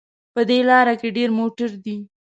په دې لاره کې ډېر موټر دي